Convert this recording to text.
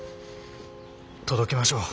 届けましょう。